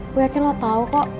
gue yakin lo tau kok